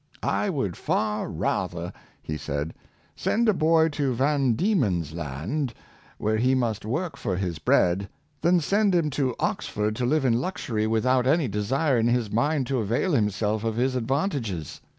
" I would far rather," he said, " send a boy to Van Dieman's Land, where he must work for his bread, than send him to Oxford to live in luxury, without any desire in his mind to avail himself of his advantages."